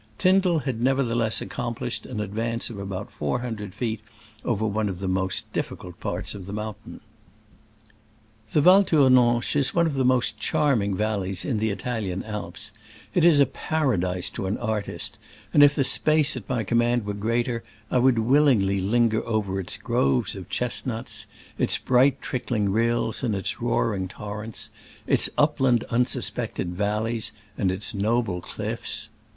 Tyndall had nevertheless ac complished an advance of about four hundred feet over one of the most dif ficult parts of the mountain. The Val Tournanche is one of the most charming valleys in the Italian Digitized by Google SCRAMBLES AMONGST THE ALPS IM i86<> '69. 6l Alps : it is a paradise to an artist, and if the space at my command were greater, I would willingly linger over its groves of chestnuts, its bright trickling rills and its roaring torrents, its upland unsuspected valleys and its noble cliffs.